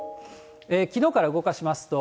きのうから動かしますと。